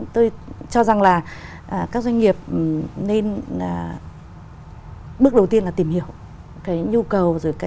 tôi cho rằng là các doanh nghiệp nên bước đầu tiên là tìm hiểu cái nhu cầu